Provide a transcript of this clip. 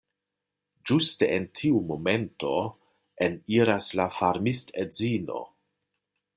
Ĝuste en tiu momento eniras la farmistedzino.